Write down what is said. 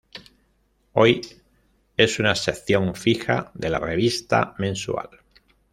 Hoy es una sección fija de la revista mensual.